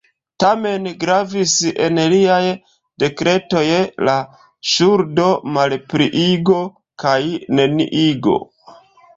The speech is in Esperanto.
Tamen, gravis en liaj dekretoj la ŝuldo-malpliigo kaj -neniigo.